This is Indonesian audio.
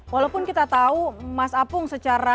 walaupun kita tahu mas apung secara